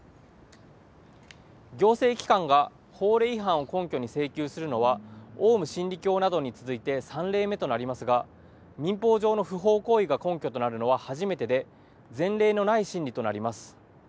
行政機関が法令違反を根拠に請求するのはオウム真理教などに続いて３例目となりますが民法上の不法行為が根拠となるのは初めてで前例のない審理となります。